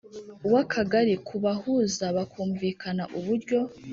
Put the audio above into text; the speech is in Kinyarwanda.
w Akagali kubahuza bakumvikana uburyo